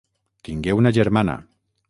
Tingué una germana.